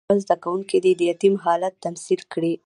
یو یا دوه زده کوونکي دې د یتیم حالت تمثیل کړي.